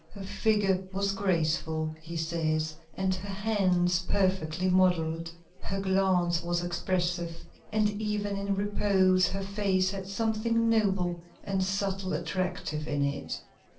"Her figure was graceful," he says, "and her hands perfectly modelled. Her glance was expressive, and even in repose her face had something noble and subtly attractive in it.